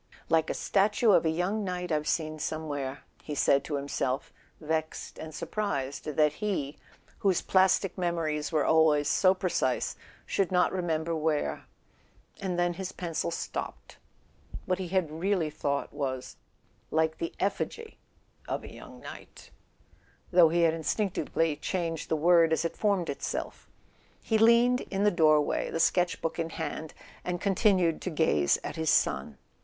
"Like a statue of a young knight I've seen some¬ where," he said to himself, vexed and surprised that he, whose plastic memories were always so precise, should not remember where; and then his pencil stopped. What he had really thought was: "Like the [ 53 ] A SON AT THE FRONT effigy of a young knight"—though he had instinctively changed the word as it formed itself. He leaned in the doorway, the sketch book in hand, and continued to gaze at his son.